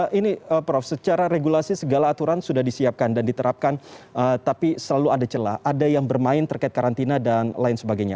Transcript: nah ini prof secara regulasi segala aturan sudah disiapkan dan diterapkan tapi selalu ada celah ada yang bermain terkait karantina dan lain sebagainya